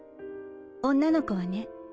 女の子はね